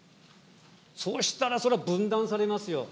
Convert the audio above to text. そうしたらそりゃ、分断されますよ。